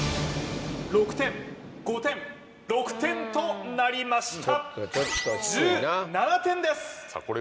６点５点６点となりました